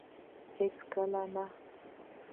هيڅ کله نه